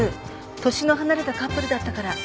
年の離れたカップルだったから。